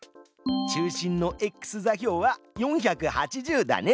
中心のｘ座標は４８０だね！